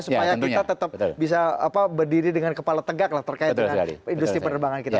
supaya kita tetap bisa berdiri dengan kepala tegak lah terkait dengan industri penerbangan kita